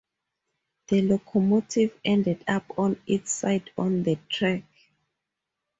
The locomotive ended up on its side on the track.